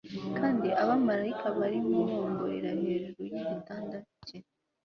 Kandi abamarayika barimo bongorera hejuru yigitanda cye